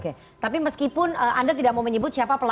oke tapi meskipun anda tidak mau menyebut siapa pelakunya